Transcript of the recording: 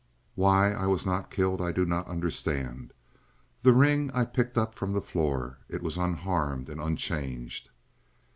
Why I was not killed I do not understand. The ring I picked up from the floor; it was unharmed and unchanged.